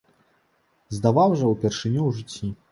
Здаваў жа ўпершыню ў жыцці!